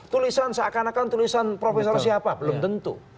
tulisan seakan akan tulisan profesor siapa belum tentu